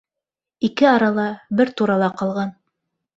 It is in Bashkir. Ике арала, бер турала ҡалған.